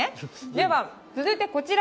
では続いてこちら、